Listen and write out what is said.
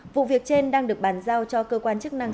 vụ việc trên đang được bàn giao cho cơ quan chức năng